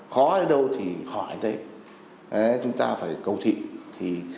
khó hay đâu thì khỏi chúng ta phải cầu thị